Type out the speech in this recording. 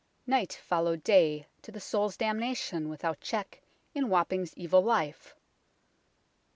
Night followed day to the soul's damna tion without check in Wapping's evil life.